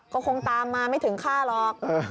ก็คงตามมาไม่ถึงฆ่าหรอก